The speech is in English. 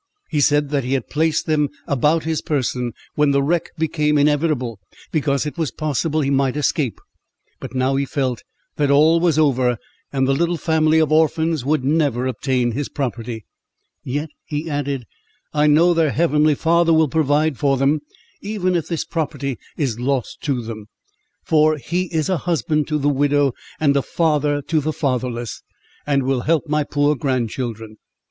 He said that he had placed them about his person, when the wreck became inevitable, because it was possible he might escape; but now he felt that all was over, and the little family of orphans would never obtain his property; "yet," he added, "I know their heavenly Father will provide for them, even if this property is lost to them, for 'He is a husband to the widow, and a father to the fatherless,' and will help my poor grandchildren!